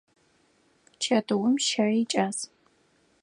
Чэтыум щэ икӏас.